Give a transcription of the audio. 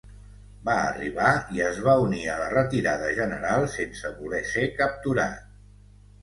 Va arribar i es va unir a la retirada general sense voler ser capturat.